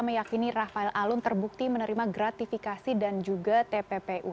meyakini rafael alun terbukti menerima gratifikasi dan juga tppu